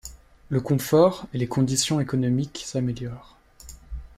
Le confort et les conditions économiques s’améliorent.